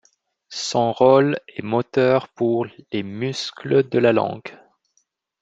Son rôle est moteur pour les muscles de la langue.